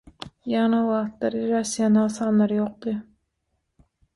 Ýagny o wagtlar irrasional sanlar ýokdy.